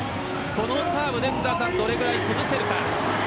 このサーブでどれくらい崩せるか。